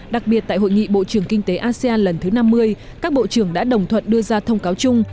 đặc biệt tại hội nghị bộ trưởng kinh tế asean lần thứ năm mươi các bộ trưởng đã đồng thuận đưa ra thông cáo chung